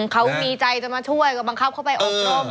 เขามีใจจะมาช่วยก็บังคับเข้าไปอบรม